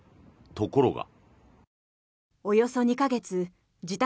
ところが。